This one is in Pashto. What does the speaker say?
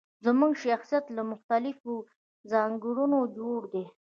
زموږ شخصيت له مختلفو ځانګړنو جوړ دی.